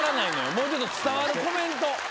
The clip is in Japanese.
もうちょっと伝わるコメント。